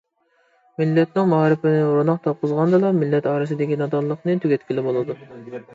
مىللەتنىڭ مائارىپىنى روناق تاپقۇزغاندىلا مىللەت ئارىسىدىكى نادانلىقنى تۈگەتكىلى بولىدۇ.